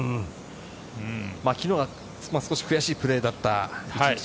昨日が少し悔しいプレーでしたが。